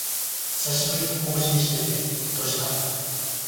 久しぶりに更新しててほっとした